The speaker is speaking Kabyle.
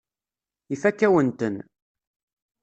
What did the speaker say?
Ifakk-awen-ten.